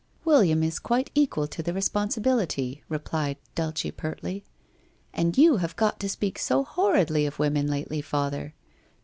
' William is quite equal to the responsibility/ replied Dulce pertly. ' And you have got to speak so horridly of women lately, father!